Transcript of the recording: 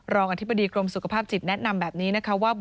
อธิบดีกรมสุขภาพจิตแนะนำแบบนี้นะคะว่า